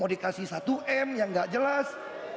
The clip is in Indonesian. mau dikasih satu m yang nggak jelas